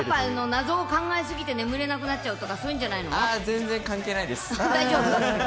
謎を考え過ぎて眠れなくなっちゃうとか、そういうんじゃない全然関係ないです。